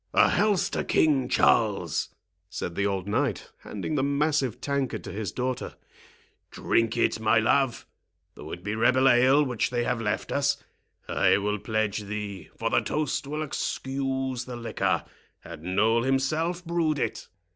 "A health to King Charles!" said the old knight, handing the massive tankard to his daughter; "drink it, my love, though it be rebel ale which they have left us. I will pledge thee; for the toast will excuse the liquor, had Noll himself brewed it."